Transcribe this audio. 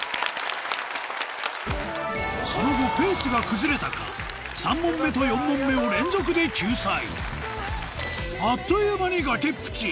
その後ペースが崩れたか３問目と４問目を連続で救済あっという間に崖っぷち